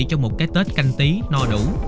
cho một cái tết canh tí no đủ